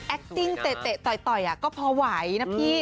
ติ้งเตะต่อยก็พอไหวนะพี่